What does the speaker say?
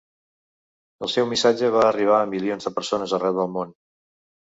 El seu missatge va arribar a milions de persones arreu del món.